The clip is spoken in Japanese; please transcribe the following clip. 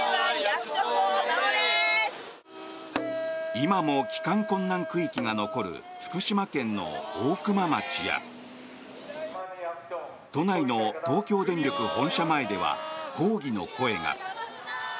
今も帰還困難区域が残る福島県の大熊町や都内の東京電力本社前では抗議の声が。